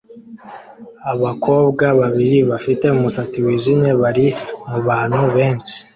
Abakobwa babiri bafite umusatsi wijimye bari mubantu benshi